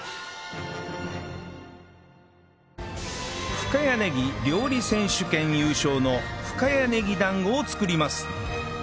深谷ねぎ料理選手権優勝の深谷ねぎだんごを作ります